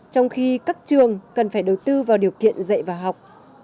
trong khi các trường cần phải đầu tư vào điều kiện dạy và học